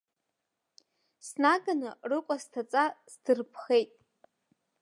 Снаганы, рыкәа сҭаҵа сдырԥхеит.